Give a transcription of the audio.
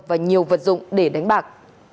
và nhiều vật dụng để đánh bạc